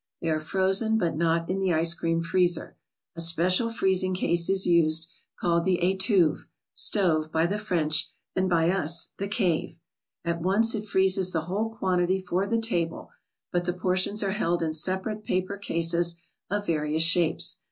They are frozen, but not in the ice cream freezer. A special freezing case is used, called the ituve (stove) by the French, and by us, the " cave." At once it freezes the whole quantity for the table, but the portions are held in separate paper cases of various shapes.